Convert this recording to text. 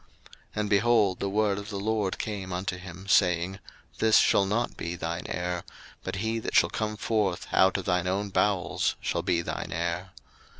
01:015:004 And, behold, the word of the LORD came unto him, saying, This shall not be thine heir; but he that shall come forth out of thine own bowels shall be thine heir.